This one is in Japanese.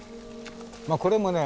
これもね